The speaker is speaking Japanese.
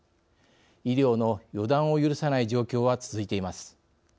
医療の予断を許さない状況は続いています。